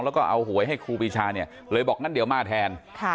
แล้วก็เอาหวยให้ครูปีชาเนี่ยเลยบอกงั้นเดี๋ยวมาแทน